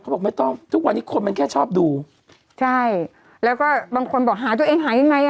บอกไม่ต้องทุกวันนี้คนมันแค่ชอบดูใช่แล้วก็บางคนบอกหาตัวเองหายังไงอ่ะ